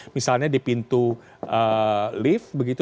misalnya di pintu lift